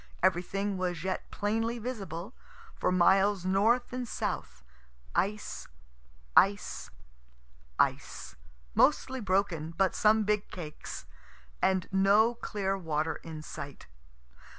Everything was yet plainly visible; for miles north and south, ice, ice, ice, mostly broken, but some big cakes, and no clear water in sight.